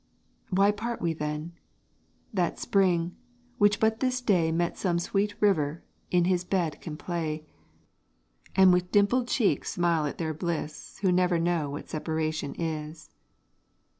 Why part we then? That spring, which but this day Met some sweet river, in his bed can play, And with a dimpled cheek smile at their bliss, Who never know what separation is.